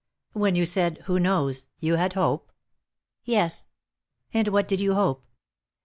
'" "When you said 'who knows,' you had hope?" "Yes." "And what did you hope?"